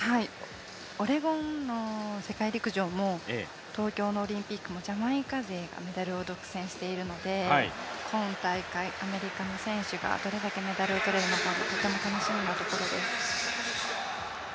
オレゴンの世界陸上も東京のオリンピックもジャマイカ勢がメダルを独占しているので今大会、アメリカの選手がどれだけメダルを取れるのかとても楽しみなところです。